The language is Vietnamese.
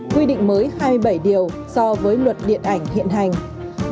quy định mới hai mươi bảy điều so với luật điện ảnh hiện hành